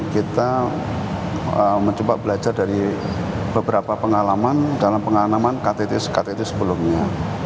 kita mencoba belajar dari beberapa pengalaman dalam pengalaman ktt sekat itu sebelumnya